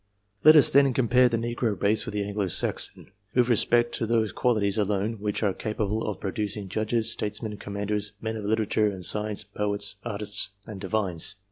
iTLet us, then, compare the Negro race with the Anglo Saxon, with respect to those qualities alone which are capable of producing judges, statesmen, commanders, men of literature and science, poets, artists, and divines.